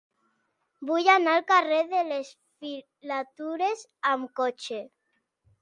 Vull anar al carrer de les Filatures amb cotxe.